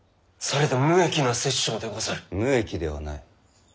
無益ではない。